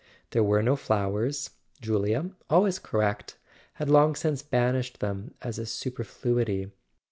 There were no flowers: Julia, always correct, had long since banished them as a super¬ fluity.